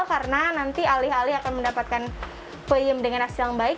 karena nanti alih alih akan mendapatkan puyem dengan hasil yang baik